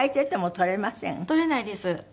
取れないです。